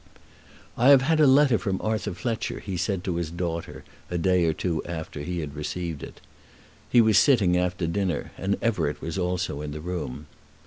"I have had a letter from Arthur Fletcher," he said to his daughter a day or two after he had received it. He was sitting after dinner, and Everett was also in the room.